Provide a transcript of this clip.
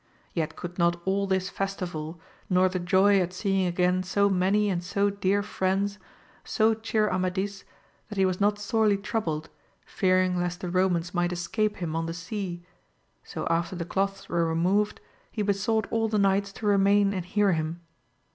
Yet could not all this festival, nor the joy at seeing again so many and so dear friends, so cheer Amadis that he was not sorely troubled, fearing lest the Eo mans might escape him on the sea so after the cloths were removed, he besought all the knights to remain and hear him.